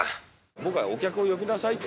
僕はお客を呼びなさいと。